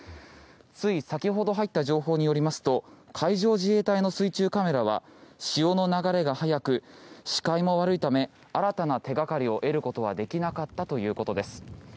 つい先ほど入った情報によりますと海上自衛隊の水中カメラは潮の流れが速く視界も悪いため新たな手掛かりを得ることはできなかったということです。